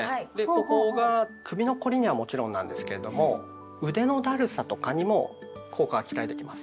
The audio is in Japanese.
ここが首の凝りにはもちろんなんですけれども腕のだるさとかにも効果が期待できます。